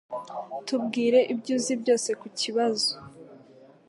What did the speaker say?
Tubwire ibyo uzi byose kukibazo.